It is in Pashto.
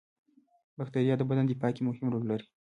بکتریا د بدن دفاع کې مهم رول لري